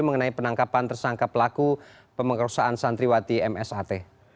mengenai penangkapan tersangka pelaku pemengkosaan santriwati msat